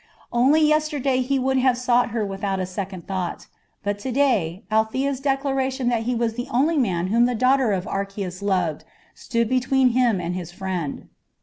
Only yesterday he would have sought her without a second thought, but to day Althea's declaration that he was the only man whom the daughter of Archias loved stood between him and his friend.